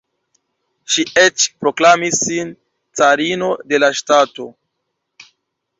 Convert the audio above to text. Ŝi eĉ proklamis sin “carino” de la ŝtato.